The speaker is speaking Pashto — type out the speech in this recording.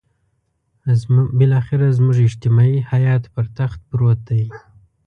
بالاخره زموږ اجتماعي حيات پر تخت پروت دی.